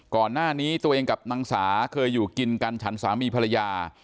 ก่อนหน้านี้ตัวเองกับนางสาเคยอยู่กินกันฉันสามีภรรยา